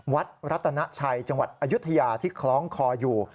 รัฐนาชัยจังหวัดอายุทยาที่คล้องคออยู่